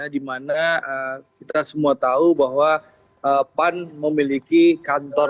dimana kita semua tahu bahwa pan memiliki kantor